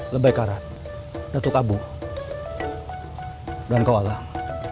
lebai karat datuk abu dan kau alang